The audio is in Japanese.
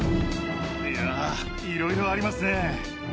いやいろいろありますね。